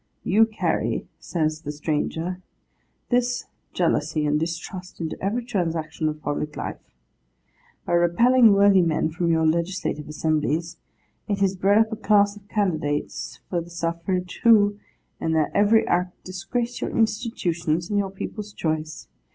'You carry,' says the stranger, 'this jealousy and distrust into every transaction of public life. By repelling worthy men from your legislative assemblies, it has bred up a class of candidates for the suffrage, who, in their very act, disgrace your Institutions and your people's choice.